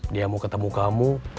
dia mau ketemu kamu